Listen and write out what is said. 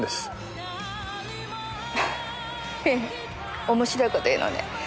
へえ面白い事言うのね。